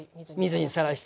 水にさらして。